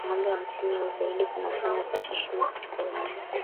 mtu Kuwa na ngombe hamsini au zaidi kunamfanya apate heshima katika jamii